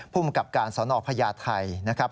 ภูมิกับการสนพญาไทยนะครับ